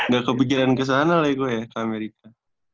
gak kepikiran ke sana lah ya gue ya ke amerika